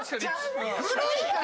古いから。